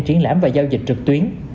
triển lãm và giao dịch trực tuyến